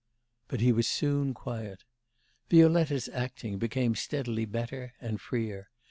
But he was soon quiet. Violetta's acting became steadily better, and freer.